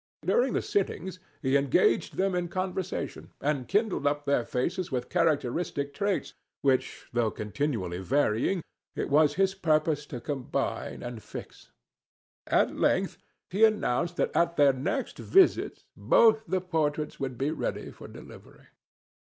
During their sittings he engaged them in conversation and kindled up their faces with characteristic traits, which, though continually varying, it was his purpose to combine and fix. At length he announced that at their next visit both the portraits would be ready for delivery.